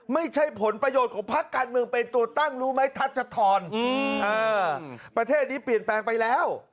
ไม่ใช่ผลประโยชน์ของพักการเมืองเป็นตัวตั้งรู้ไหมทัชธรประเทศนี้เปลี่ยนแปลงไปแล้ว